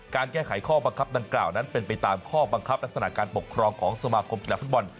การแก้ไขข้อบังคับดังกล่าวนั้นเป็นไปตามข้อบังคับลักษณะการปกครองของสมาคมกีฬาฟุตบอล